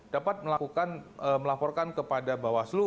dapat melaporkan kepada bawaslu